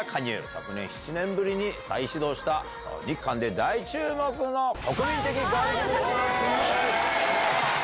去年、７年ぶりに再始動した、日韓で大注目の国民的ガールズグループです。